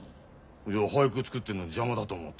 いや俳句作ってんのに邪魔だと思ってさ。